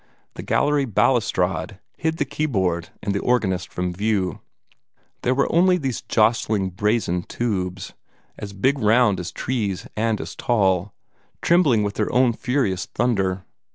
The gallery balustrade hid the keyboard and the organist from view. There were only these jostling brazen tubes, as big round as trees and as tall, trembling with their own furious thunder.